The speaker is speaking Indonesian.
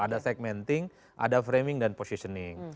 ada segmenting ada framing dan positioning